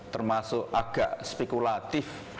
termasuk agak spekulatif